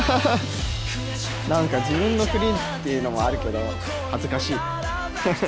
なんか自分の振りっていうのもあるけど、恥ずかしい。